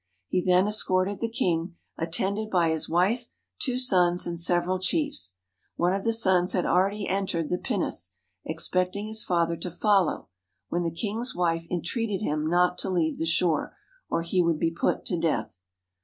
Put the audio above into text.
He then escorted the king, attended by his wife, two sons, and several chiefs. One of the sons had already entered the pinnace, expect ing his father to follow, when the king's wife entreated him not to leave the shore, or he would be put to death.